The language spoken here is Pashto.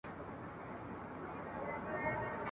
او د پردیو په پسرلي کي مي !.